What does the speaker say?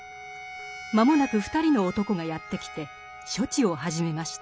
間もなく２人の男がやって来て処置を始めました。